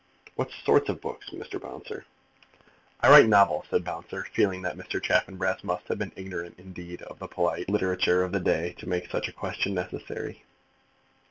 "What sort of books, Mr. Bouncer?" "I write novels," said Mr. Bouncer, feeling that Mr. Chaffanbrass must have been ignorant indeed of the polite literature of the day to make such a question necessary.